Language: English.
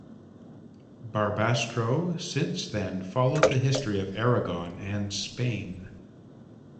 Barbastro since then followed the history of Aragon and Spain.